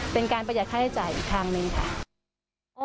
เป็นการประหยัดค่าใช้จ่ายอีกทางหนึ่งค่ะ